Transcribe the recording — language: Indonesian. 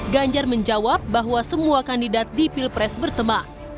ganjar menjawab bahwa semua kandidat di pilpres berteman